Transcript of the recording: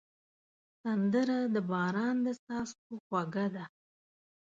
سندره د باران د څاڅکو خوږه ده